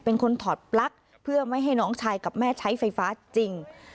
เป็นคนถอดปลั๊กเพื่อไม่ให้น้องชายกับแม่ใช้ไฟฟ้าจริง